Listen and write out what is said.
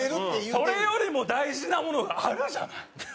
それよりも大事なものがあるじゃない！